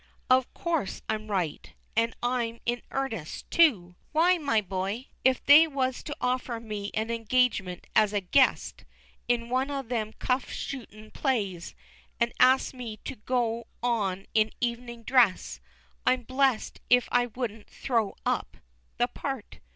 _ Of course I'm right; and I'm in earnest, too! Why, my boy, if they was to offer me an engagement as a "guest" in one of them cuff shootin' plays, and ask me to go on in evening dress, I'm blest if I wouldn't throw up the part.